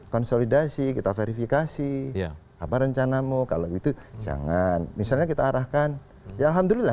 konsolidasi kita verifikasi apa rencanamu kalau gitu jangan misalnya kita arahkan ya alhamdulillah